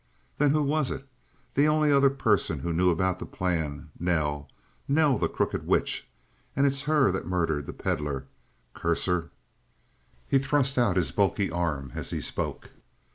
Then who was it? The only other person that knew about the plan Nell Nell, the crooked witch and it's her that murdered the Pedlar curse her!" He thrust out his bulky arm as he spoke.